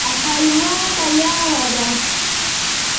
حلوا تياره ده